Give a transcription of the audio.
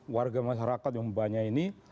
warga masyarakat yang banyak ini